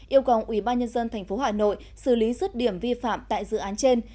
yêu cầu ủy ban nhân dân tp hà nội xử lý rứt điểm vi phạm tại dự án trên